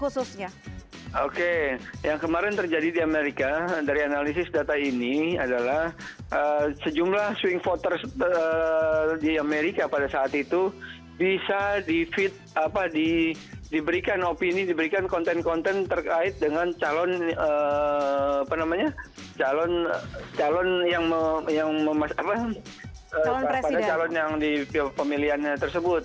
oke yang kemarin terjadi di amerika dari analisis data ini adalah sejumlah swing voters di amerika pada saat itu bisa diberikan opini diberikan konten konten terkait dengan calon yang memasak pada calon yang di pemilihannya tersebut